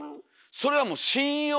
それはもう信用。